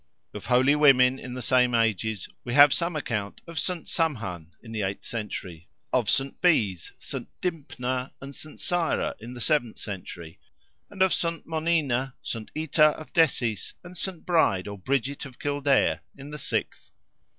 Of holy women in the same ages, we have some account of St. Samthan, in the eighth century; of St. Bees, St. Dympna and St. Syra, in the seventh century, and of St. Monina, St. Ita of Desies, and St. Bride, or Bridget, of Kildare, in the sixth.